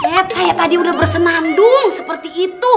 ee saya tadi udah bersenandung seperti itu